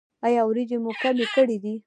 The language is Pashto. ایا وریجې مو کمې کړي دي؟